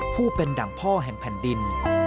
ผู้เป็นดั่งพ่อแห่งแผ่นดิน